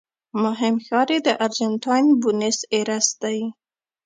مهم ښار یې د ارجنټاین بونس ایرس دی.